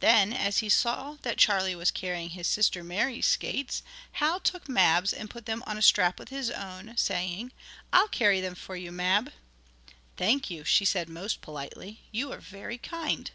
Then, as he saw that Charlie was carrying his sister Mary's skates, Hal took Mab's and put them on a strap with his own, saying: "I'll carry them for you, Mab!" "Thank you," she said, most politely. "You are very kind."